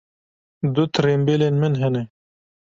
Du tirimbêlên min hene.